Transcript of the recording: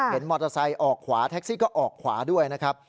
มอเตอร์ไซค์ออกขวาแท็กซี่ก็ออกขวาด้วยนะครับ